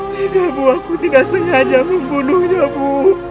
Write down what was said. tidak ibu aku tidak sengaja membunuhnya ibu